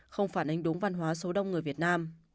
không phản ánh đúng văn hóa số đông người việt nam